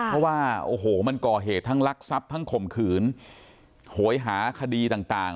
เพราะว่าโอ้โหมันก่อเหตุทั้งลักทรัพย์ทั้งข่มขืนโหยหาคดีต่าง